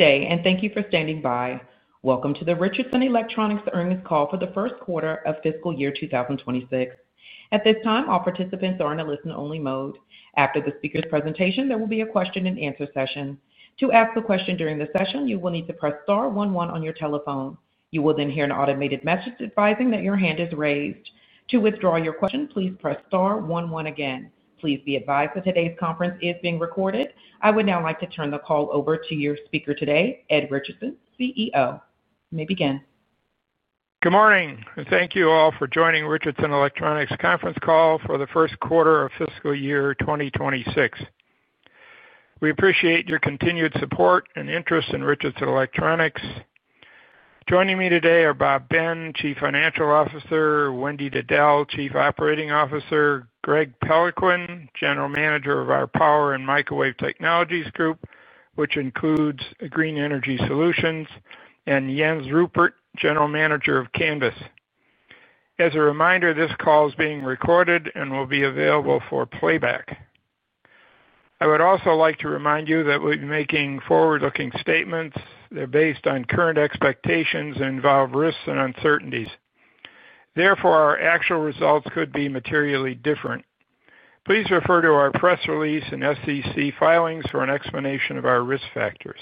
Thank you for standing by. Welcome to the Richardson Electronics earnings call for the first quarter of fiscal year 2026. At this time, all participants are in a listen-only mode. After the speaker's presentation, there will be a question-and-answer session. To ask a question during the session, you will need to press star one one on your telephone. You will then hear an automated message advising that your hand is raised. To withdraw your question, please press star one one again. Please be advised that today's conference is being recorded. I would now like to turn the call over to your speaker today, Ed Richardson, CEO. You may begin. Good morning, and thank you all for joining Richardson Electronics conference call for the first quarter of fiscal year 2026. We appreciate your continued support and interest in Richardson Electronics. Joining me today are Bob Ben, Chief Financial Officer; Wendy Diddell, Chief Operating Officer; Greg Peloquin, General Manager of our Power and Microwave Technologies Group, which includes Green Energy Solutions; and Jens Ruppert, General Manager of Canvys. As a reminder, this call is being recorded and will be available for playback. I would also like to remind you that we'll be making forward-looking statements. They're based on current expectations and involve risks and uncertainties. Therefore, our actual results could be materially different. Please refer to our press release and SEC filings for an explanation of our risk factors.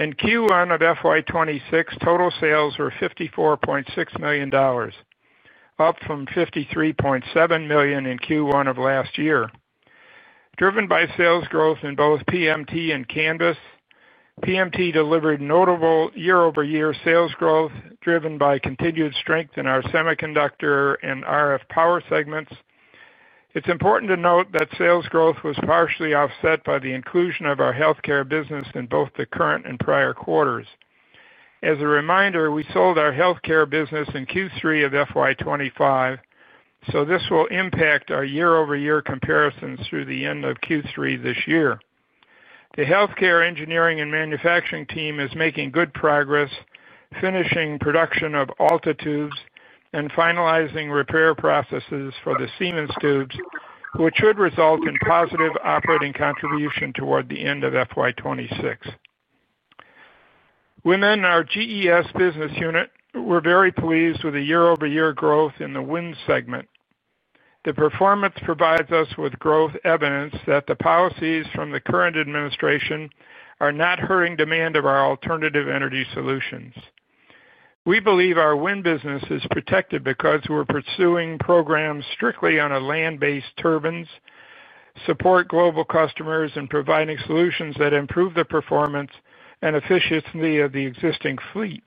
In Q1 of FY 2026, total sales were $54.6 million, up from $53.7 million in Q1 of last year. Driven by sales growth in both PMT and Canvys, PMT delivered notable year-over-year sales growth driven by continued strength in our semiconductor and RF power segments. It's important to note that sales growth was partially offset by the inclusion of our healthcare business in both the current and prior quarters. As a reminder, we sold our healthcare business in Q3 of FY 2025, so this will impact our year-over-year comparisons through the end of Q3 this year. The healthcare engineering and manufacturing team is making good progress, finishing production of ALTA tubes and finalizing repair processes for the Siemens tubes, which should result in positive operating contribution toward the end of FY 2026. In our GES business unit, we were very pleased with the year-over-year growth in the wind segment. The performance provides us with growth evidence that the policies from the current administration are not hurting demand of our alternative energy solutions. We believe our wind business is protected because we're pursuing programs strictly on a land-based turbine, support global customers, and provide solutions that improve the performance and efficiency of the existing fleet.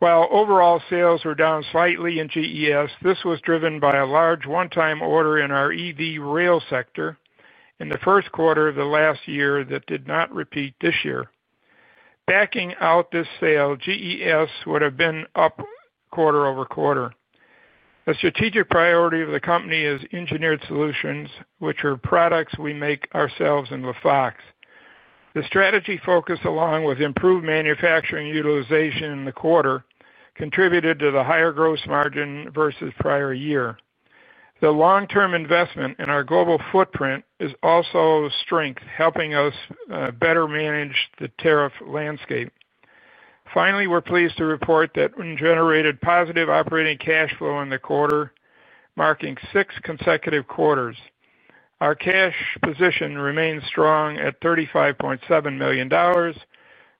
While overall sales were down slightly in GES, this was driven by a large one-time order in our EV rail sector in the first quarter of the last year that did not repeat this year. Backing out this sale, GES would have been up quarter-over-quarter. A strategic priority of the company is engineered solutions, which are products we make ourselves in LaFox. The strategy focus, along with improved manufacturing utilization in the quarter, contributed to the higher gross margin versus prior year. The long-term investment in our global footprint is also a strength, helping us better manage the tariff landscape. Finally, we're pleased to report that we generated positive operating cash flow in the quarter, marking six consecutive quarters. Our cash position remains strong at $35.7 million,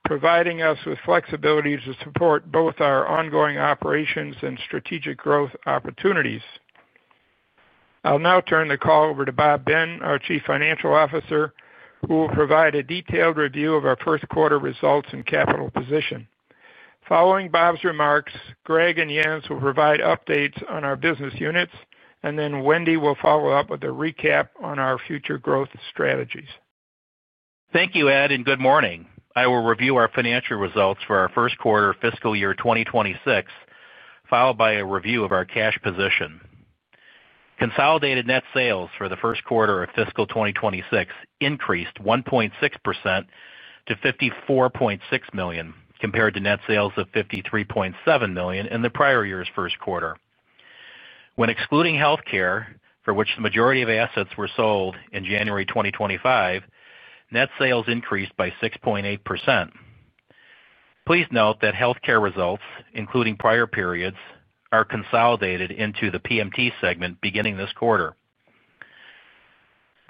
providing us with flexibility to support both our ongoing operations and strategic growth opportunities. I'll now turn the call over to Bob Ben, our Chief Financial Officer, who will provide a detailed review of our first quarter results and capital position. Following Bob's remarks, Greg and Jens will provide updates on our business units, and then Wendy will follow up with a recap on our future growth strategies. Thank you, Ed, and good morning. I will review our financial results for our first quarter of fiscal year 2026, followed by a review of our cash position. Consolidated net sales for the first quarter of fiscal 2026 increased 1.6% to $54.6 million compared to net sales of $53.7 million in the prior year's first quarter. When excluding healthcare, for which the majority of assets were sold in January 2025, net sales increased by 6.8%. Please note that healthcare results, including prior periods, are consolidated into the PMT segment beginning this quarter.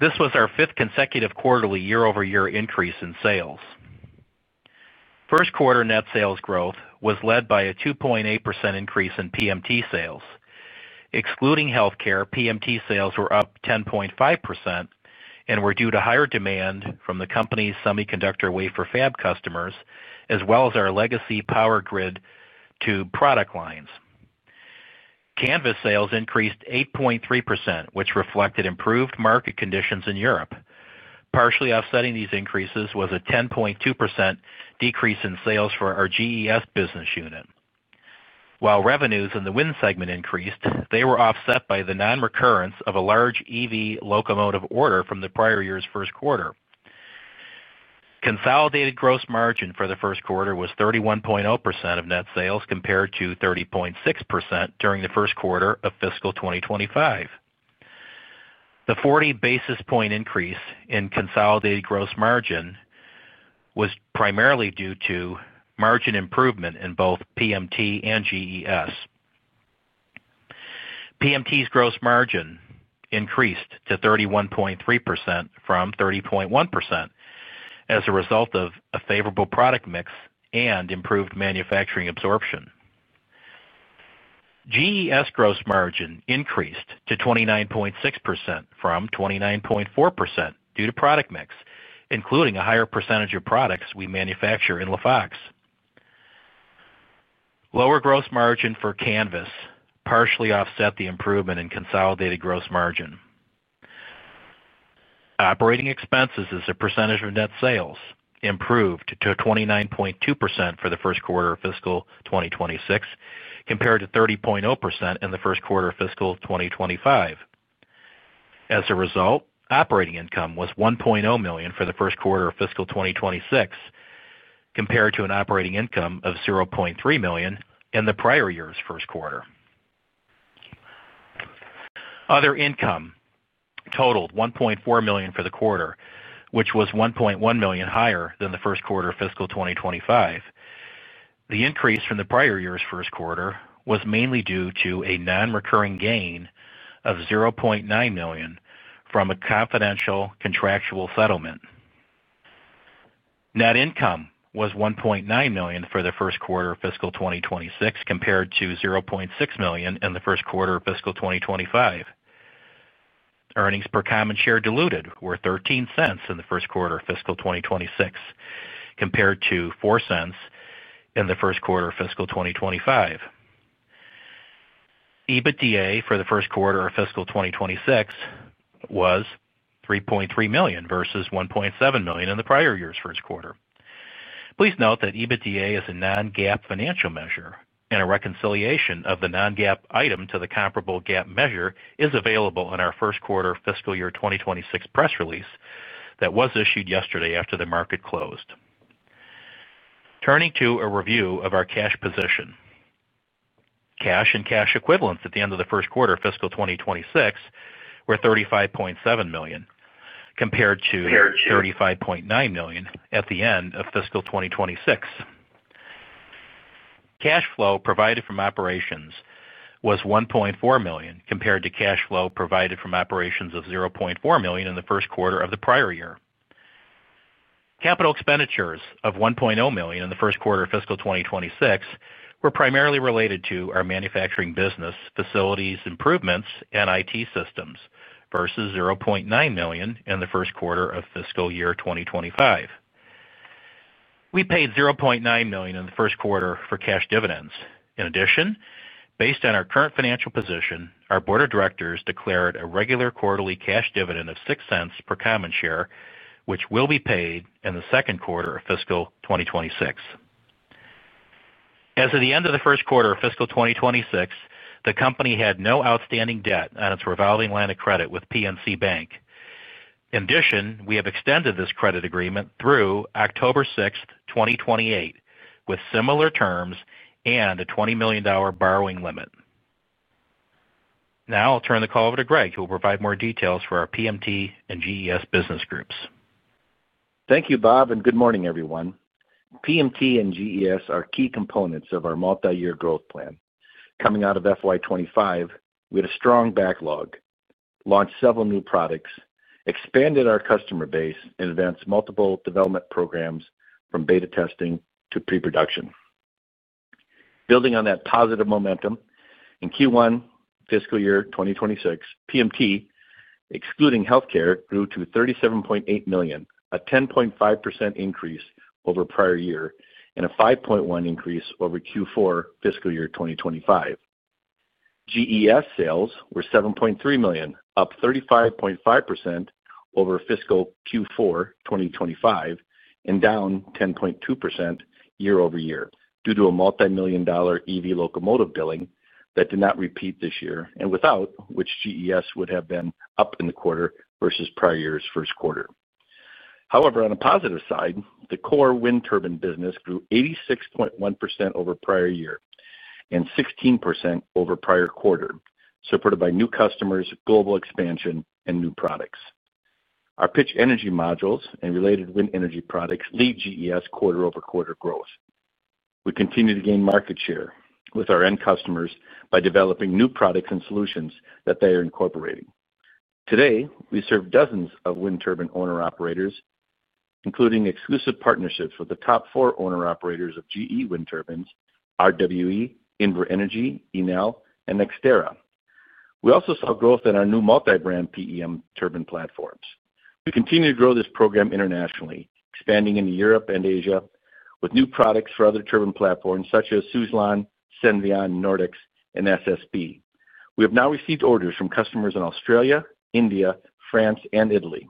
This was our fifth consecutive quarterly year-over-year increase in sales. First quarter net sales growth was led by a 2.8% increase in PMT sales. Excluding healthcare, PMT sales were up 10.5% and were due to higher demand from the Company's semiconductor wafer fab customers, as well as our legacy power grid tube product lines. Canvys sales increased 8.3%, which reflected improved market conditions in Europe. Partially offsetting these increases was a 10.2% decrease in sales for our GES business unit. While revenues in the wind segment increased, they were offset by the non-recurrence of a large EV locomotive order from the prior year's first quarter. Consolidated gross margin for the first quarter was 31.0% of net sales compared to 30.6% during the first quarter of fiscal 2025. The 40 basis point increase in consolidated gross margin was primarily due to margin improvement in both PMT and GES. PMT's gross margin increased to 31.3% from 30.1% as a result of a favorable product mix and improved manufacturing absorption. GES gross margin increased to 29.6% from 29.4% due to product mix, including a higher percentage of products we manufacture in LaFox. Lower gross margin for Canvys partially offset the improvement in consolidated gross margin. Operating expenses as a percentage of net sales improved to 29.2% for the first quarter of fiscal 2026 compared to 30.0% in the first quarter of fiscal 2025. As a result, operating income was $1.0 million for the first quarter of fiscal 2026 compared to an operating income of $0.3 million in the prior year's first quarter. Other income totaled $1.4 million for the quarter, which was $1.1 million higher than the first quarter of fiscal 2025. The increase from the prior year's first quarter was mainly due to a non-recurring gain of $0.9 million from a confidential contractual settlement. Net income was $1.9 million for the first quarter of fiscal 2026 compared to $0.6 million in the first quarter of fiscal 2025. Earnings per common share diluted were $0.13 in the first quarter of fiscal 2026 compared to $0.04 in the first quarter of fiscal 2025. EBITDA for the first quarter of fiscal 2026 was $3.3 million versus $1.7 million in the prior year's first quarter. Please note that EBITDA is a non-GAAP financial measure, and a reconciliation of the non-GAAP item to the comparable GAAP measure is available in our first quarter fiscal year 2026 press release that was issued yesterday after the market closed. Turning to a review of our cash position, cash and cash equivalents at the end of the first quarter of fiscal 2026 were $35.7 million compared to $35.9 million at the end of fiscal 2025. Cash flow provided from operations was $1.4 million compared to cash flow provided from operations of $0.4 million in the first quarter of the prior year. Capital expenditures of $1.0 million in the first quarter of fiscal 2026 were primarily related to our manufacturing business, facilities, improvements, and IT systems versus $0.9 million in the first quarter of fiscal year 2025. We paid $0.9 million in the first quarter for cash dividends. In addition, based on our current financial position, our Board of Directors declared a regular quarterly cash dividend of $0.06 per common share, which will be paid in the second quarter of fiscal 2026. As of the end of the first quarter of fiscal 2026, the company had no outstanding debt on its revolving line of credit with PNC Bank. In addition, we have extended this credit agreement through October 6, 2028, with similar terms and a $20 million borrowing limit. Now I'll turn the call over to Greg, who will provide more details for our PMT and GES business groups. Thank you, Bob, and good morning, everyone. PMT and GES are key components of our multi-year growth plan. Coming out of FY 2025, we had a strong backlog, launched several new products, expanded our customer base, and advanced multiple development programs from beta testing to pre-production. Building on that positive momentum, in Q1 fiscal year 2026, PMT, excluding healthcare, grew to $37.8 million, a 10.5% increase over prior year, and a 5.1% increase over Q4 fiscal year 2025. GES sales were $7.3 million, up 35.5% over fiscal Q4 2025, and down 10.2% year-over-year due to a multimillion-dollar EV locomotive billing that did not repeat this year and without which GES would have been up in the quarter versus prior year's first quarter. However, on a positive side, the core wind turbine business grew 86.1% over prior year and 16% over prior quarter, supported by new customers, global expansion, and new products. Our pitch energy modules and related wind energy products lead GES quarter-over-quarter growth. We continue to gain market share with our end customers by developing new products and solutions that they are incorporating. Today, we serve dozens of wind turbine owner-operators, including exclusive partnerships with the top four owner-operators of GE wind turbines, RWE, Inver Energy, Enel, and NextEra. We also saw growth in our new multi-brand PEM turbine platforms. We continue to grow this program internationally, expanding into Europe and Asia with new products for other turbine platforms such as Suzlon, Senzion, Nordics, and SSB. We have now received orders from customers in Australia, India, France, and Italy.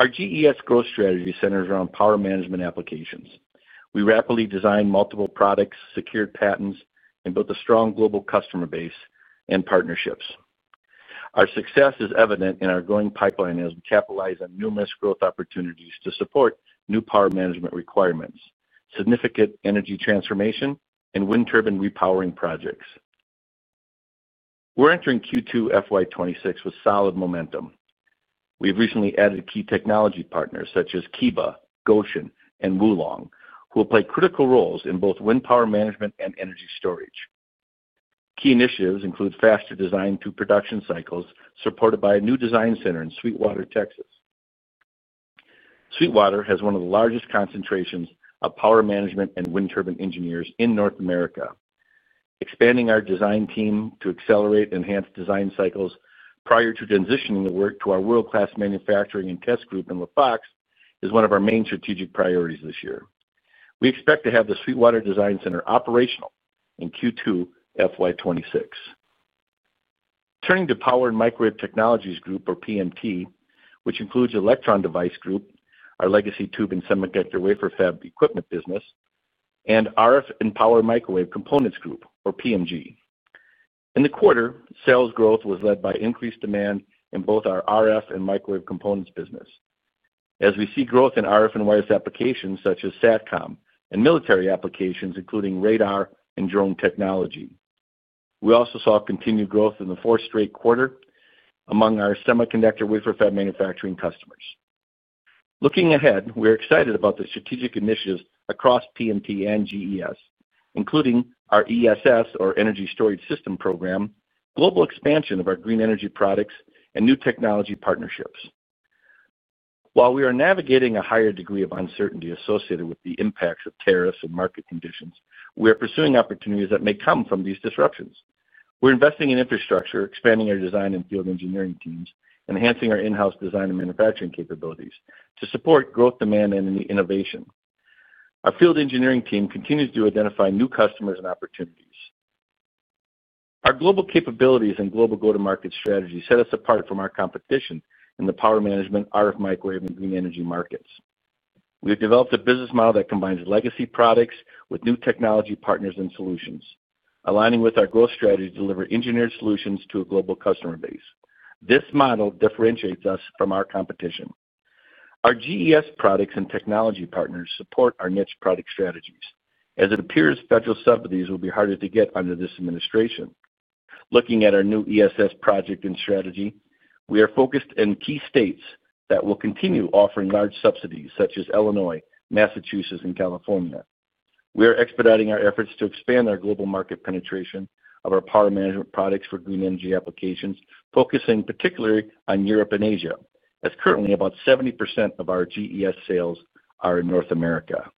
Our GES growth strategy centers around power management applications. We rapidly designed multiple products, secured patents, and built a strong global customer base and partnerships. Our success is evident in our growing pipeline as we capitalize on numerous growth opportunities to support new power management requirements, significant energy transformation, and wind turbine repowering projects. We're entering Q2 FY 2026 with solid momentum. We've recently added key technology partners such as KEBA, Goshen, and Wolong, who will play critical roles in both wind power management and energy storage. Key initiatives include faster design through production cycles, supported by a new design center in Sweetwater, Texas. Sweetwater has one of the largest concentrations of power management and wind turbine engineers in North America. Expanding our design team to accelerate enhanced design cycles prior to transitioning the work to our world-class manufacturing and test group in LaFox is one of our main strategic priorities this year. We expect to have the Sweetwater, Texas design center operational in Q2 FY 2026. Turning to Power and Microwave Technologies Group, or PMT, which includes Electron Device Group, our legacy power grid tube products and semiconductor wafer fab equipment business, and RF and Power and Microwave Components Group, or PMG. In the quarter, sales growth was led by increased demand in both our RF and microwave components business. As we see growth in RF and wireless applications such as SATCOM and military applications, including radar and drone technology, we also saw continued growth in the fourth straight quarter among our semiconductor wafer fab manufacturing customers. Looking ahead, we're excited about the strategic initiatives across PMT and GES, including our Energy Storage System, or ESS, program, global expansion of our green energy products, and new technology partnerships. While we are navigating a higher degree of uncertainty associated with the impacts of tariffs and market conditions, we are pursuing opportunities that may come from these disruptions. We're investing in infrastructure, expanding our design and field engineering teams, enhancing our in-house design and manufacturing capabilities to support growth demand and innovation. Our field engineering team continues to identify new customers and opportunities. Our global capabilities and global go-to-market strategy set us apart from our competition in the power management, RF microwave, and green energy markets. We've developed a business model that combines legacy products with new technology partners and solutions, aligning with our growth strategy to deliver engineered solutions to a global customer base. This model differentiates us from our competition. Our GES products and technology partners support our niche product strategies. As it appears, federal subsidies will be harder to get under this administration. Looking at our new ESS project and strategy, we are focused in key states that will continue offering large subsidies, such as Illinois, Massachusetts, and California. We are expediting our efforts to expand our global market penetration of our power management products for green energy applications, focusing particularly on Europe and Asia, as currently about 70% of our GES sales are in North America.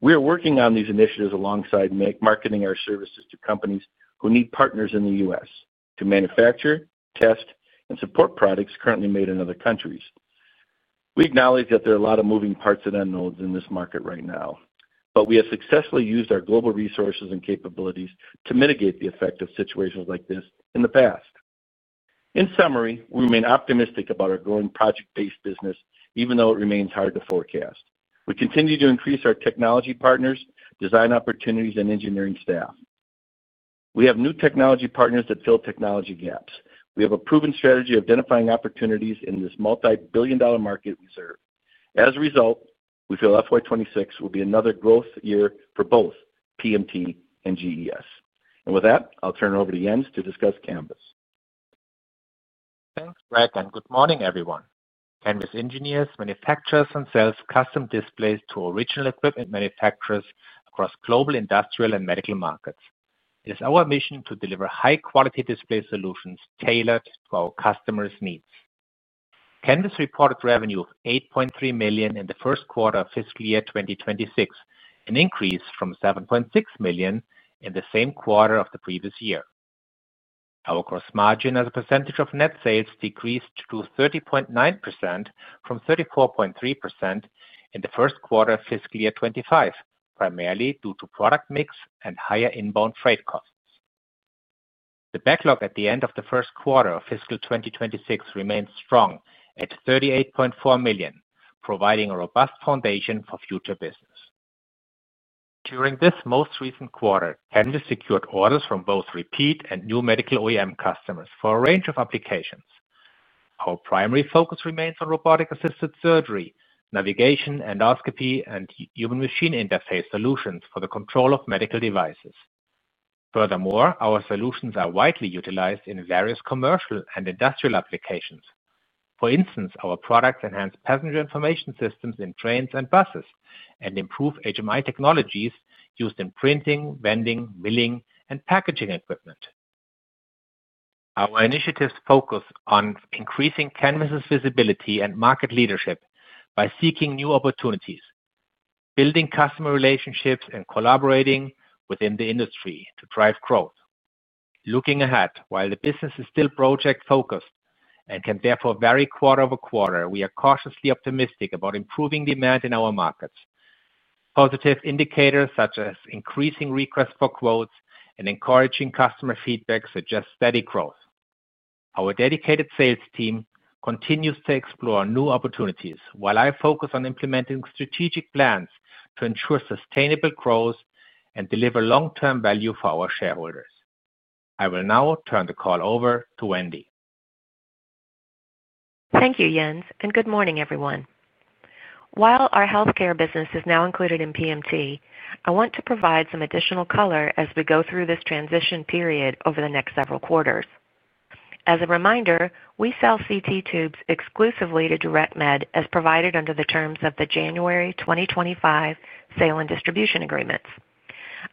We are working on these initiatives alongside marketing our services to companies who need partners in the U.S. to manufacture, test, and support products currently made in other countries. We acknowledge that there are a lot of moving parts and unknowns in this market right now, but we have successfully used our global resources and capabilities to mitigate the effect of situations like this in the past. In summary, we remain optimistic about our growing project-based business, even though it remains hard to forecast. We continue to increase our technology partners, design opportunities, and engineering staff. We have new technology partners that fill technology gaps. We have a proven strategy of identifying opportunities in this multi-billion-dollar market we serve. As a result, we feel FY 2026 will be another growth year for both PMT and GES. With that, I'll turn it over to Jens to discuss Canvys. Thanks, Greg, and good morning, everyone. Canvys engineers manufacture and sell custom displays to original equipment manufacturers across global industrial and medical markets. It is our mission to deliver high-quality display solutions tailored to our customers' needs. Canvys reported revenue of $8.3 million in the first quarter of fiscal year 2026, an increase from $7.6 million in the same quarter of the previous year. Our gross margin as a percentage of net sales decreased to 30.9% from 34.3% in the first quarter of fiscal year 2025, primarily due to product mix and higher inbound freight costs. The backlog at the end of the first quarter of fiscal 2026 remains strong at $38.4 million, providing a robust foundation for future business. During this most recent quarter, Canvys secured orders from both repeat and new medical OEM customers for a range of applications. Our primary focus remains on robotic-assisted surgery, navigation, endoscopy, and human-machine interface solutions for the control of medical devices. Furthermore, our solutions are widely utilized in various commercial and industrial applications. For instance, our products enhance passenger information systems in trains and buses and improve HMI technologies used in printing, vending, milling, and packaging equipment. Our initiatives focus on increasing Canvys's visibility and market leadership by seeking new opportunities, building customer relationships, and collaborating within the industry to drive growth. Looking ahead, while the business is still project-focused and can therefore vary quarter-over-quarter, we are cautiously optimistic about improving demand in our markets. Positive indicators such as increasing requests for quotes and encouraging customer feedback suggest steady growth. Our dedicated sales team continues to explore new opportunities, while I focus on implementing strategic plans to ensure sustainable growth and deliver long-term value for our shareholders. I will now turn the call over to Wendy. Thank you, Jens, and good morning, everyone. While our healthcare business is now included in PMT, I want to provide some additional color as we go through this transition period over the next several quarters. As a reminder, we sell CT tubes exclusively to DirectMed as provided under the terms of the January 2025 sale and distribution agreements.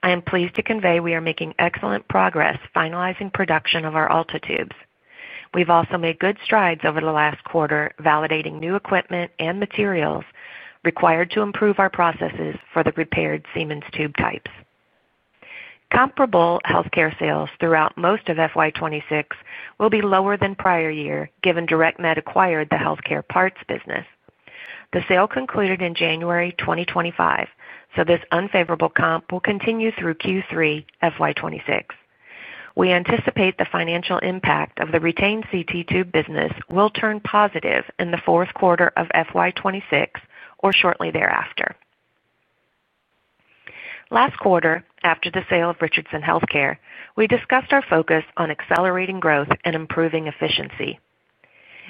I am pleased to convey we are making excellent progress finalizing production of our ALTA tubes. We've also made good strides over the last quarter, validating new equipment and materials required to improve our processes for the repaired Siemens tube types. Comparable healthcare sales throughout most of FY 2026 will be lower than prior year, given DirectMed acquired the healthcare parts business. The sale concluded in January 2025, so this unfavorable comp will continue through Q3 FY 2026. We anticipate the financial impact of the retained CT tube business will turn positive in the fourth quarter of FY 2026 or shortly thereafter. Last quarter, after the sale of Richardson Healthcare, we discussed our focus on accelerating growth and improving efficiency.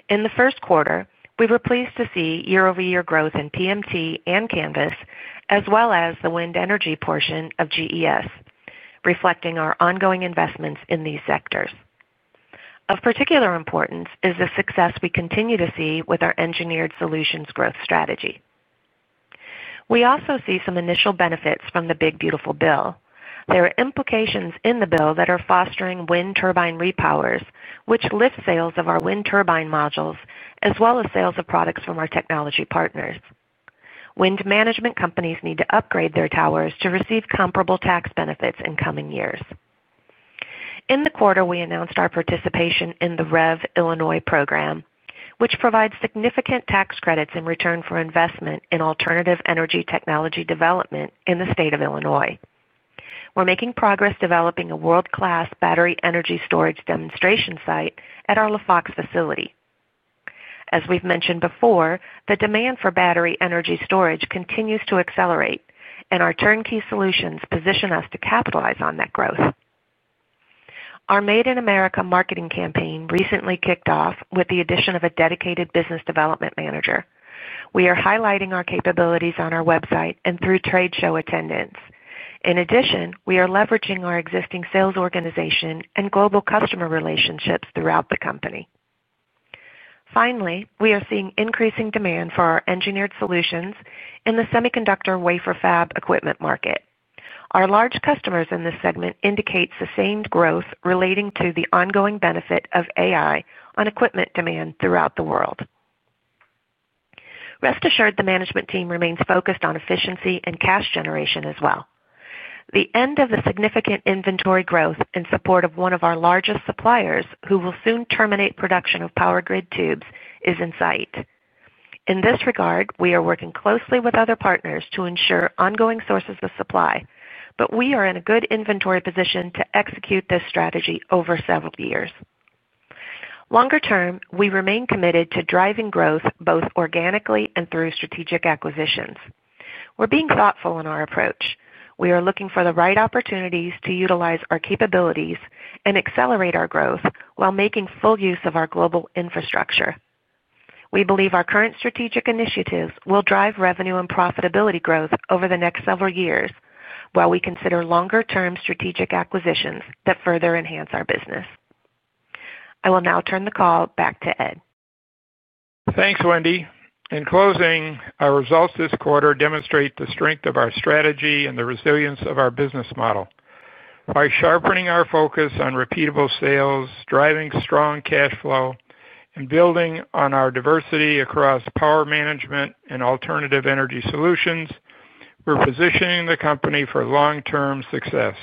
In the first quarter, we were pleased to see year-over-year growth in PMT and Canvys, as well as the wind energy portion of GES, reflecting our ongoing investments in these sectors. Of particular importance is the success we continue to see with our engineered solutions growth strategy. We also see some initial benefits from the Big Beautiful Bill. There are implications in the bill that are fostering wind turbine repowers, which lift sales of our wind turbine modules, as well as sales of products from our technology partners. Wind management companies need to upgrade their towers to receive comparable tax benefits in coming years. In the quarter, we announced our participation in the REV Illinois program, which provides significant tax credits in return for investment in alternative energy technology development in the state of Illinois. We're making progress developing a world-class battery energy storage demonstration site at our LaFox facility. As we've mentioned before, the demand for battery energy storage continues to accelerate, and our turnkey solutions position us to capitalize on that growth. Our Made in America marketing campaign recently kicked off with the addition of a dedicated business development manager. We are highlighting our capabilities on our website and through trade show attendance. In addition, we are leveraging our existing sales organization and global customer relationships throughout the company. Finally, we are seeing increasing demand for our engineered solutions in the semiconductor wafer fab equipment market. Our large customers in this segment indicate sustained growth relating to the ongoing benefit of AI on equipment demand throughout the world. Rest assured, the management team remains focused on efficiency and cash generation as well. The end of the significant inventory growth in support of one of our largest suppliers, who will soon terminate production of power grid tubes, is in sight. In this regard, we are working closely with other partners to ensure ongoing sources of supply, but we are in a good inventory position to execute this strategy over several years. Longer term, we remain committed to driving growth both organically and through strategic acquisitions. We're being thoughtful in our approach. We are looking for the right opportunities to utilize our capabilities and accelerate our growth while making full use of our global infrastructure. We believe our current strategic initiatives will drive revenue and profitability growth over the next several years, while we consider longer-term strategic acquisitions that further enhance our business. I will now turn the call back to Ed. Thanks, Wendy. In closing, our results this quarter demonstrate the strength of our strategy and the resilience of our business model. By sharpening our focus on repeatable sales, driving strong cash flow, and building on our diversity across power management and alternative energy solutions, we're positioning the company for long-term success.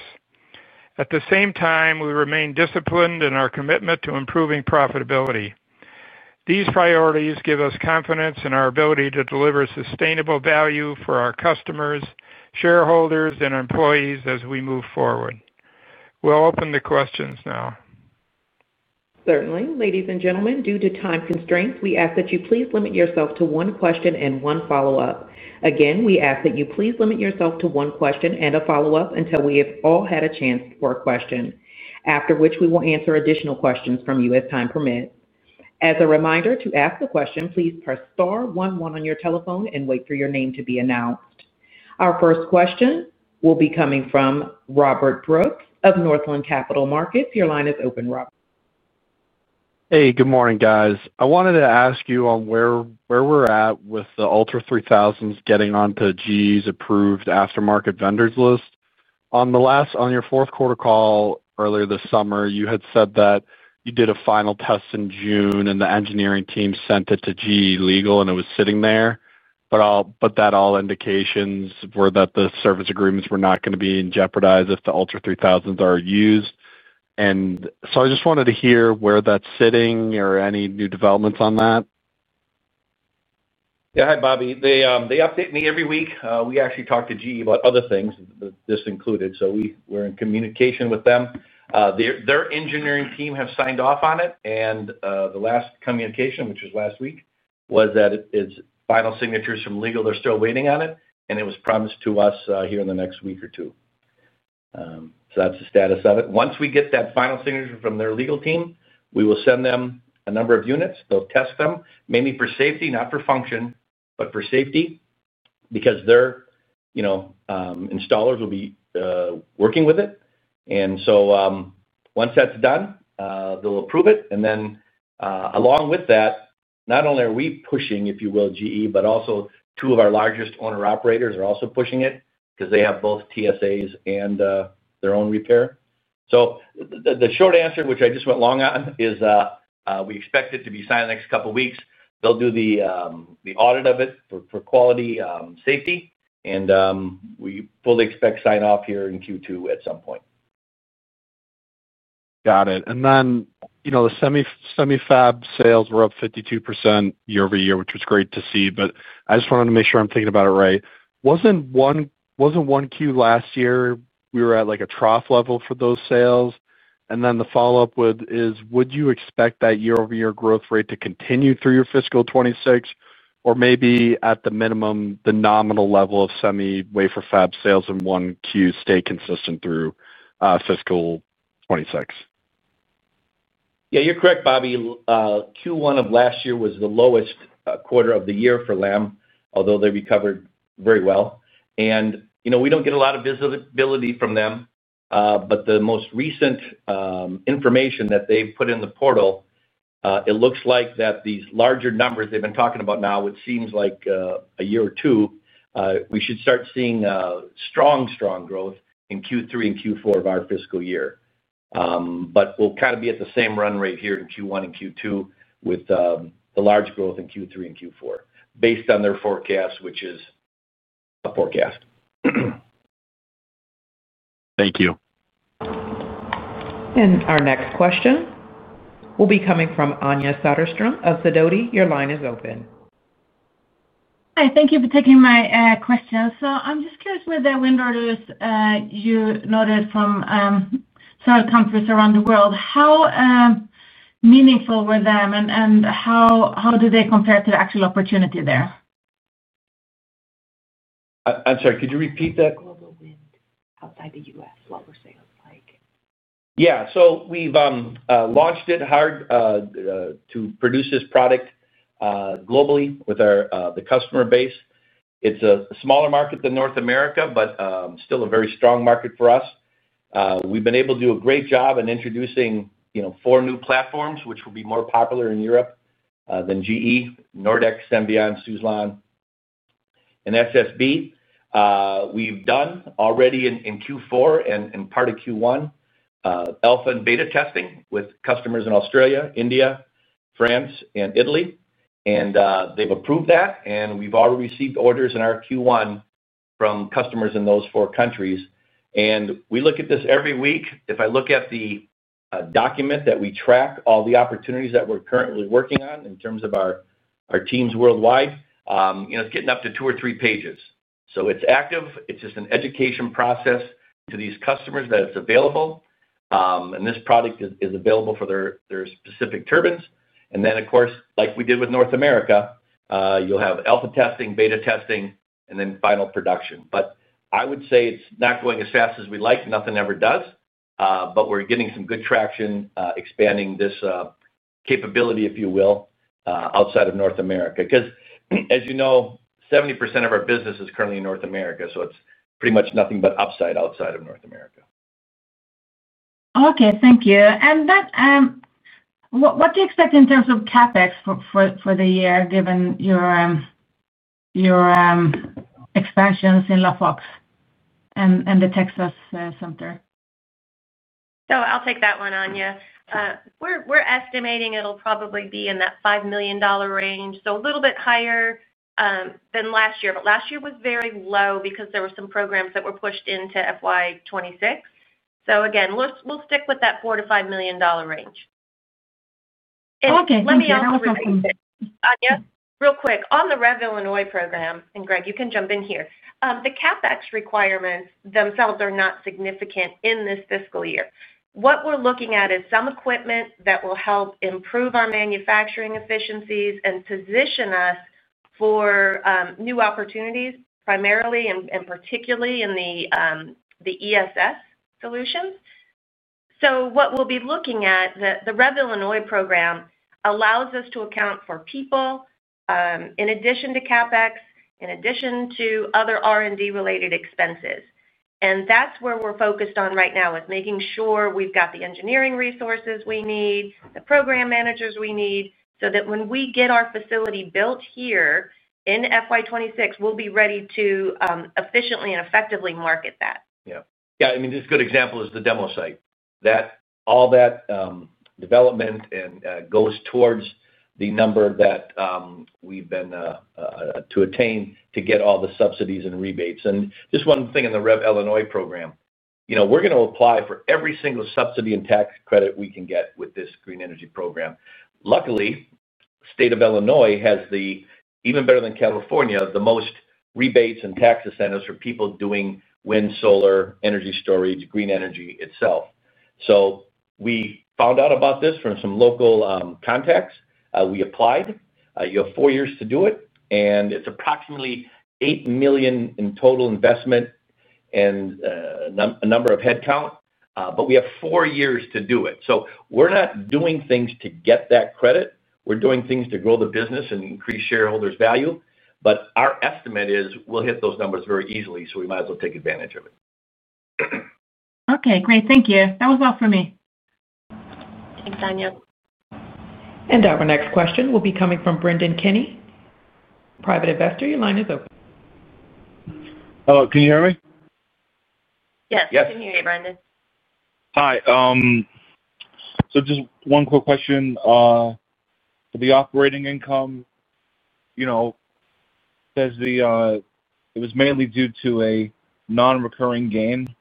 At the same time, we remain disciplined in our commitment to improving profitability. These priorities give us confidence in our ability to deliver sustainable value for our customers, shareholders, and employees as we move forward. We'll open the questions now. Certainly. Ladies and gentlemen, due to time constraints, we ask that you please limit yourself to one question and one follow-up. Again, we ask that you please limit yourself to one question and a follow-up until we have all had a chance for a question, after which we will answer additional questions from you as time permits. As a reminder, to ask a question, please press star one one on your telephone and wait for your name to be announced. Our first question will be coming from Robert Brooks of Northland Capital Markets. Your line is open, Robert. Hey, good morning, guys. I wanted to ask you on where we're at with the ULTRA3000s getting onto GE's approved aftermarket vendors list. On your fourth quarter call earlier this summer, you had said that you did a final test in June and the engineering team sent it to GE Legal and it was sitting there. All indications were that the service agreements were not going to be jeopardized if the ULTRA3000s are used. I just wanted to hear where that's sitting or any new developments on that. Yeah, hi Bobby. They update me every week. We actually talked to GE about other things, this included. We are in communication with them. Their engineering team has signed off on it, and the last communication, which was last week, was that it's final signatures from legal. They are still waiting on it, and it was promised to us here in the next week or two. That is the status of it. Once we get that final signature from their legal team, we will send them a number of units. They will test them, mainly for safety, not for function, but for safety because their installers will be working with it. Once that is done, they will approve it. Along with that, not only are we pushing, if you will, GE, but also two of our largest owner-operators are also pushing it because they have both TSAs and their own repair. The short answer, which I just went long on, is we expect it to be signed in the next couple of weeks. They will do the audit of it for quality safety, and we fully expect sign-off here in Q2 at some point. Got it. The semi-fab sales were up 52% year-over-year, which was great to see. I just wanted to make sure I'm thinking about it right. Wasn't 1Q last year we were at like a trough level for those sales? The follow-up is, would you expect that year-over-year growth rate to continue through your fiscal 2026, or maybe at the minimum, the nominal level of semi-wafer fab sales in 1Q stay consistent through fiscal 2026? Yeah, you're correct, Bobby. Q1 of last year was the lowest quarter of the year for LAM, although they recovered very well. We don't get a lot of visibility from them. The most recent information that they put in the portal, it looks like these larger numbers they've been talking about now, which seems like a year or two, we should start seeing strong, strong growth in Q3 and Q4 of our fiscal year. We'll kind of be at the same run rate here in Q1 and Q2 with the large growth in Q3 and Q4 based on their forecast, which is a forecast. Thank you. Our next question will be coming from Anja Soderstrom of Sidoti. Your line is open. Hi, thank you for taking my question. I'm just curious with the wind rotors you noted from some conference around the world, how meaningful were them and how do they compare to the actual opportunity there? I'm sorry, could you repeat that quote? Outside the U.S., what were sales like? Yeah, so we've launched it hard to produce this product globally with our customer base. It's a smaller market than North America, but still a very strong market for us. We've been able to do a great job in introducing four new platforms, which will be more popular in Europe than GE, Nordex, Senvion, Suzlon, and SSB. We've done already in Q4 and part of Q1 alpha and beta testing with customers in Australia, India, France, and Italy. They've approved that, and we've already received orders in our Q1 from customers in those four countries. We look at this every week. If I look at the document that we track all the opportunities that we're currently working on in terms of our teams worldwide, it's getting up to two or three pages. It's active. It's just an education process to these customers that it's available. This product is available for their specific turbines. Of course, like we did with North America, you'll have alpha testing, beta testing, and then final production. I would say it's not going as fast as we'd like. Nothing ever does. We're getting some good traction expanding this capability, if you will, outside of North America. As you know, 70% of our business is currently in North America, so it's pretty much nothing but upside outside of North America. Okay, thank you. What do you expect in terms of CapEx for the year, given your expansions in LaFox and the Texas center? I'll take that one, Anja. We're estimating it'll probably be in that $5 million range, a little bit higher than last year. Last year was very low because there were some programs that were pushed into FY 2026. We'll stick with that $4 million-$5 million range. Okay, let me ask a question. Anja, real quick, on the REV Illinois program, and Greg, you can jump in here. The CapEx requirements themselves are not significant in this fiscal year. What we're looking at is some equipment that will help improve our manufacturing efficiencies and position us for new opportunities, primarily and particularly in the ESS solutions. What we'll be looking at, the REV Illinois program allows us to account for people in addition to CapEx, in addition to other R&D-related expenses. That's where we're focused on right now, making sure we've got the engineering resources we need, the program managers we need, so that when we get our facility built here in FY 2026, we'll be ready to efficiently and effectively market that. Yeah, I mean, this good example is the demo site. All that development goes towards the number that we've been to attain to get all the subsidies and rebates. Just one thing in the REV Illinois program, you know, we're going to apply for every single subsidy and tax credit we can get with this green energy program. Luckily, the state of Illinois has, even better than California, the most rebates and tax incentives for people doing wind, solar, energy storage, green energy itself. We found out about this from some local contacts. We applied. You have four years to do it, and it's approximately $8 million in total investment and a number of headcount. We have four years to do it. We're not doing things to get that credit. We're doing things to grow the business and increase shareholders' value. Our estimate is we'll hit those numbers very easily, so we might as well take advantage of it. Okay, great. Thank you. That was all for me. Thanks, Anja. Our next question will be coming from Brendan Kenny, private investor. Your line is open. Hello, can you hear me? Yes. Yes. Yes, we can hear you, Brendan. Hi. Just one quick question. For the operating income, you know, it says it was mainly due to a non-recurring gain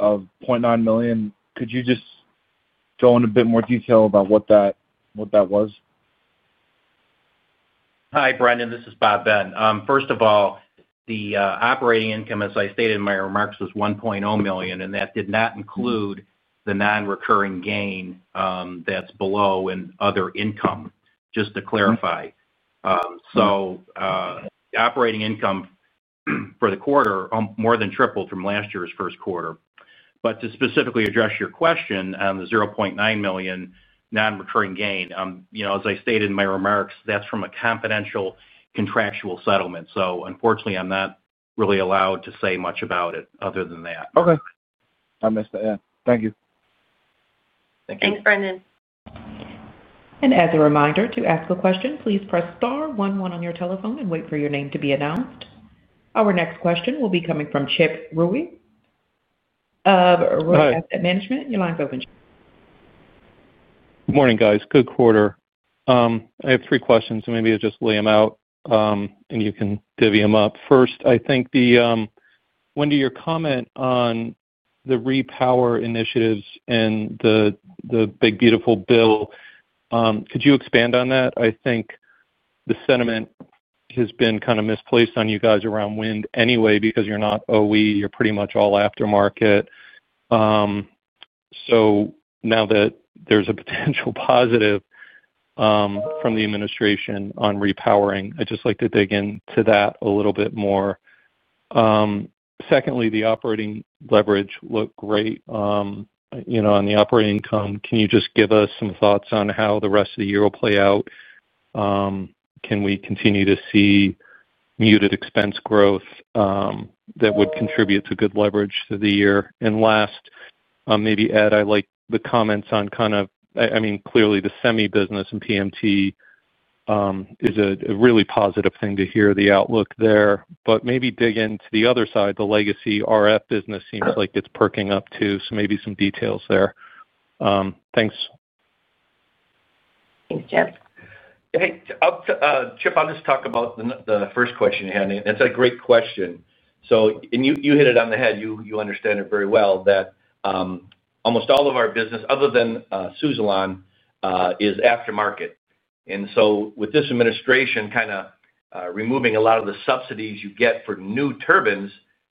of $0.9 million. Could you just go into a bit more detail about what that was? Hi, Brendan. This is Bob Ben. First of all, the operating income, as I stated in my remarks, was $1.0 million, and that did not include the non-recurring gain that's below in other income, just to clarify. The operating income for the quarter more than tripled from last year's first quarter. To specifically address your question on the $0.9 million non-recurring gain, as I stated in my remarks, that's from a confidential contractual settlement. Unfortunately, I'm not really allowed to say much about it other than that. Okay, I missed that. Yeah, thank you. Thanks, Brendan. As a reminder, to ask a question, please press star one one on your telephone and wait for your name to be announced. Our next question will be coming from Chip Rui of Rui Asset Management. Your line's open. Morning, guys. Good quarter. I have three questions, and maybe I'll just lay them out, and you can divvy them up. First, Wendy, your comment on the repower initiatives and the Big Beautiful Bill, could you expand on that? I think the sentiment has been kind of misplaced on you guys around wind anyway because you're not OEM. You're pretty much all aftermarket. Now that there's a potential positive from the administration on repowering, I'd just like to dig into that a little bit more. Secondly, the operating leverage looked great. On the operating income, can you just give us some thoughts on how the rest of the year will play out? Can we continue to see muted expense growth that would contribute to good leverage through the year? Last, maybe, Ed, I like the comments on kind of, I mean, clearly the semi business and PMT is a really positive thing to hear the outlook there. Maybe dig into the other side. The legacy RF business seems like it's perking up too. Maybe some details there. Thanks. Thanks, Chip. Hey, Chip, I'll just talk about the first question you had. It's a great question. You hit it on the head. You understand it very well that almost all of our business, other than Suzlon, is aftermarket. With this administration kind of removing a lot of the subsidies you get for new turbines,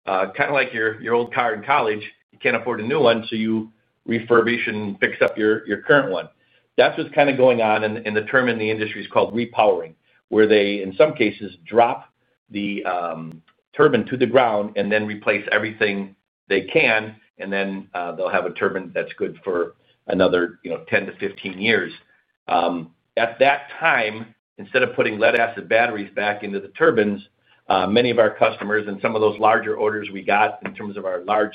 kind of like your old car in college, you can't afford a new one, so you refurbish and fix up your current one. That's what's going on in the term in the industry called repowering, where they, in some cases, drop the turbine to the ground and then replace everything they can, and then they'll have a turbine that's good for another, you know, 10-15 years. At that time, instead of putting lead acid batteries back into the turbines, many of our customers and some of those larger orders we got in terms of our large,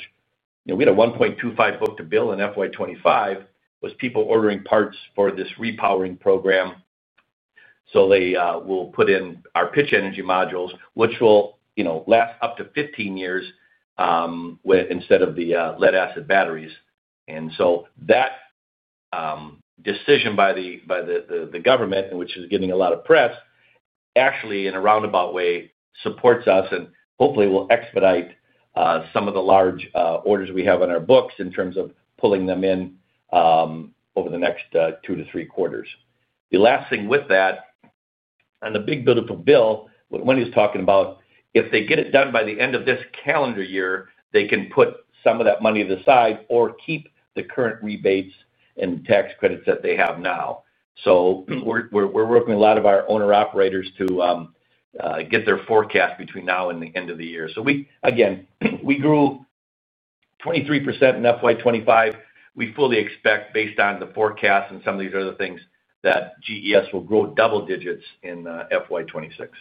you know, we had a $1.25 million hook to bill in FY 2025, was people ordering parts for this repowering program. They will put in our pitch energy modules, which will last up to 15 years, instead of the lead acid batteries. That decision by the government, which is getting a lot of press, actually, in a roundabout way, supports us and hopefully will expedite some of the large orders we have on our books in terms of pulling them in over the next two to three quarters. The last thing with that, on the Big Beautiful Bill, what Wendy was talking about, if they get it done by the end of this calendar year, they can put some of that money to the side or keep the current rebates and tax credits that they have now. We're working with a lot of our owner-operators to get their forecast between now and the end of the year. We grew 23% in FY 2025. We fully expect, based on the forecast and some of these other things, that GES will grow double digits in FY 2026. I guess operating.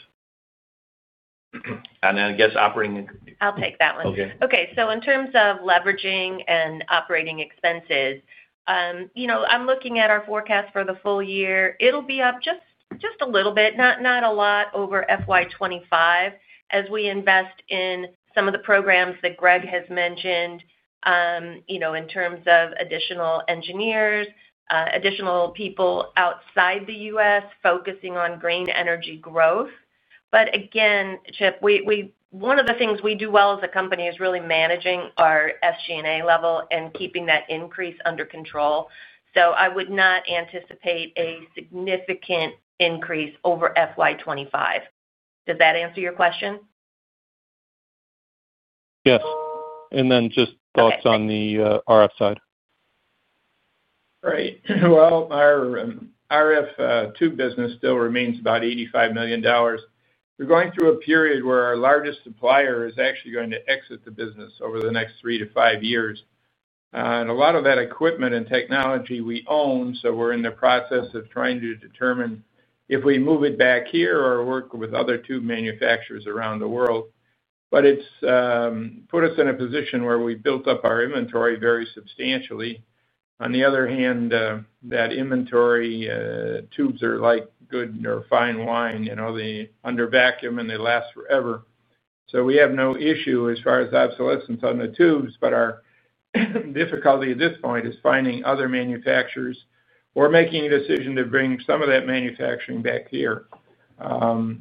I'll take that one. Okay. Okay. In terms of leveraging and operating expenses, I'm looking at our forecast for the full year. It'll be up just a little bit, not a lot over FY 2025, as we invest in some of the programs that Greg has mentioned, in terms of additional engineers, additional people outside the U.S. focusing on green energy growth. Again, Chip, one of the things we do well as a company is really managing our SG&A level and keeping that increase under control. I would not anticipate a significant increase over FY 2025. Does that answer your question? Yes, just thoughts on the RF side. Right. Our RF tube business still remains about $85 million. We're going through a period where our largest supplier is actually going to exit the business over the next three to five years. A lot of that equipment and technology we own, so we're in the process of trying to determine if we move it back here or work with other tube manufacturers around the world. It has put us in a position where we built up our inventory very substantially. On the other hand, that inventory, tubes are like good or fine wine. You know, they are under vacuum and they last forever. We have no issue as far as obsolescence on the tubes, but our difficulty at this point is finding other manufacturers or making a decision to bring some of that manufacturing back here. Over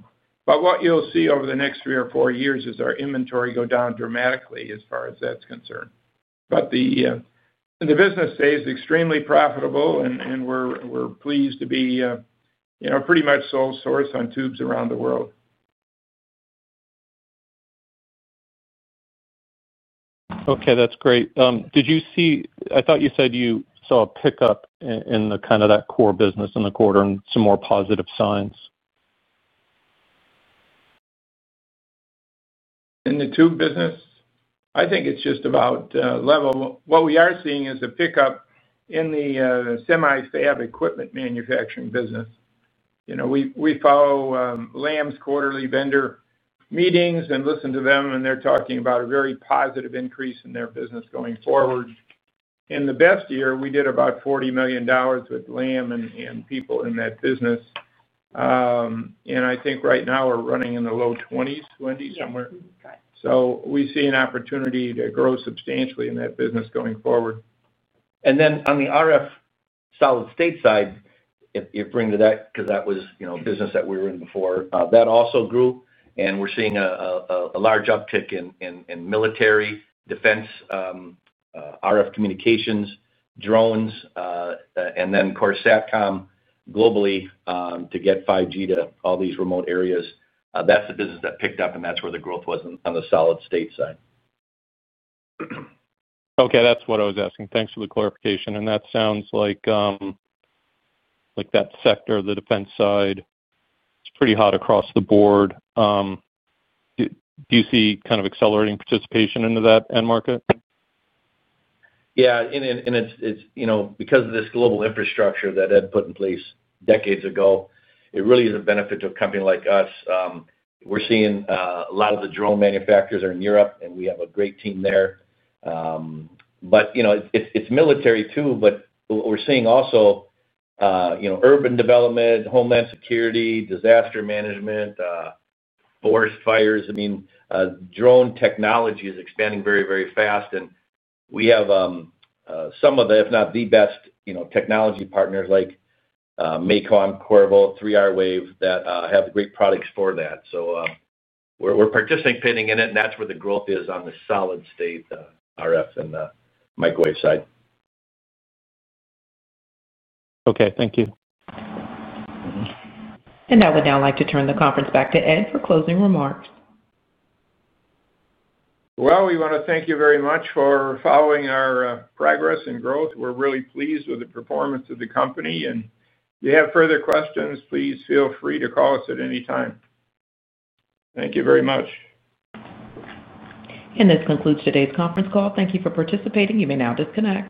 the next three or four years, our inventory will go down dramatically as far as that's concerned. The business stays extremely profitable and we're pleased to be pretty much sole source on tubes around the world. Okay, that's great. Did you see, I thought you said you saw a pickup in that core business in the quarter and some more positive signs? In the tube business? I think it's just about level. What we are seeing is a pickup in the semi-fab equipment manufacturing business. You know, we follow LAM's quarterly vendor meetings and listen to them, and they're talking about a very positive increase in their business going forward. In the best year, we did about $40 million with LAM and people in that business. I think right now we're running in the low $20 million, Wendy, somewhere. We see an opportunity to grow substantially in that business going forward. On the RF solid-state side, if you bring to that, because that was business that we were in before, that also grew. We're seeing a large uptick in military, defense, RF communications, drones, and, of course, SATCOM globally to get 5G to all these remote areas. That's the business that picked up and that's where the growth was on the solid-state side. Okay, that's what I was asking. Thanks for the clarification. That sounds like that sector, the defense side, is pretty hot across the board. Do you see kind of accelerating participation into that end market? Yeah, and it's, you know, because of this global infrastructure that Ed put in place decades ago, it really is a benefit to a company like us. We're seeing a lot of the drone manufacturers are in Europe and we have a great team there. It's military too, but we're seeing also urban development, homeland security, disaster management, forest fires. I mean, drone technology is expanding very, very fast. We have some of the, if not the best, technology partners like MACOM, Qorvo, 3R Wave that have great products for that. We're participating in it and that's where the growth is on the solid-state RF and the microwave side. Okay, thank you. I would now like to turn the conference back to Ed for closing remarks. Thank you very much for following our progress and growth. We're really pleased with the performance of the company. If you have further questions, please feel free to call us at any time. Thank you very much. This concludes today's conference call. Thank you for participating. You may now disconnect.